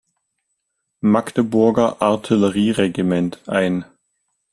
Magdeburger Artillerieregiment ein.